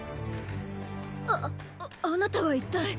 ああなたは一体？